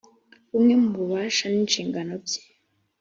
bumwe mu bubasha n inshingano bye